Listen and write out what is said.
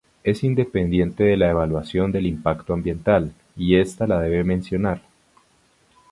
Es independiente de la evaluación del impacto ambiental y esta la debe mencionar.